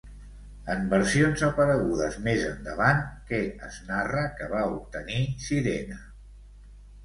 En versions aparegudes més endavant què es narra que va obtenir Cirene?